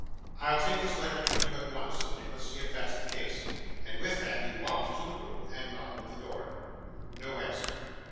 'I'll take this letter to him at once,' said Nicholas, 'if that's the case.' And with that, he walked to the room and knocked at the door. No answer.